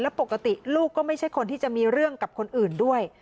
ปกติลูกก็ไม่ใช่คนที่จะมีเรื่องกับคนอื่นด้วย